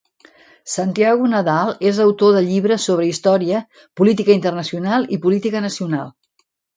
Santiago Nadal és autor de llibres, sobre història, política internacional i política nacional.